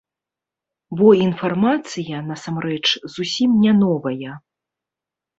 Бо інфармацыя насамрэч зусім не новая.